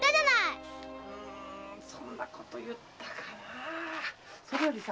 うんそんなこと言ったかなあ？